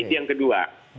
itu yang kedua